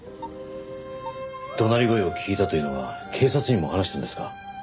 怒鳴り声を聞いたというのは警察にも話したんですか？